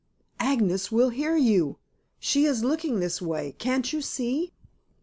"Agnes will hear you; she is looking this way; can't you see?"